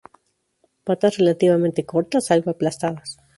Patas relativamente cortas, algo aplastadas.